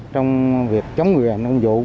với việc chống người hành động dụ